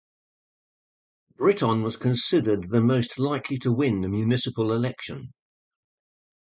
Britton was considered the most likely to win the municipal election.